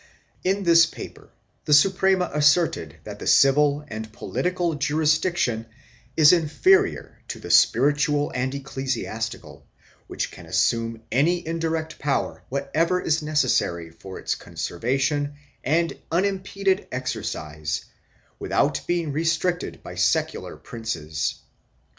In this paper the Suprema asserted that the civil and political jurisdiction is inferior to the spiritual and ecclesiastical, which can assume by indirect power whatever is necessary for its conservation and unimpeded exercise, without being restricted by secular princes.